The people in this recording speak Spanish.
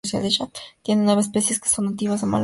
Tiene nueve especies que son nativas de Malasia e Indonesia.